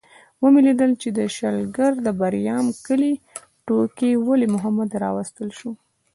ومې لیدل چې د شلګر د بریام کلي ټوکي ولي محمد راوستل شو.